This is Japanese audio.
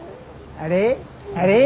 あれ？